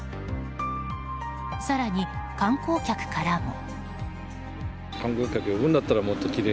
更に、観光客からも。